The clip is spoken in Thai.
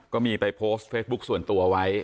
ก็มีไปโพสต์เฟซบุ๊คส่วนตัวไว้